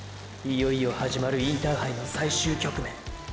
いよいよ始まるインターハイの最終局面。